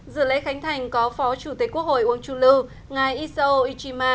dự lễ khánh thành có phó chủ tịch quốc hội uông chu lưu ngài isao ichima